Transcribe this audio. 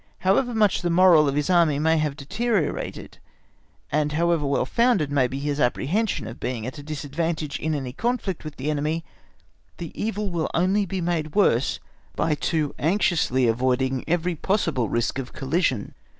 However much the moral of his Army may have deteriorated, and however well founded may be his apprehensions of being at a disadvantage in any conflict with the enemy, the evil will only be made worse by too anxiously avoiding every possible risk of collision.